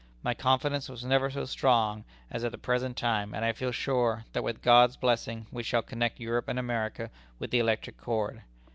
My confidence was never so strong as at the present time, and I feel sure, that with God's blessing, we shall connect Europe and America with the electric cord.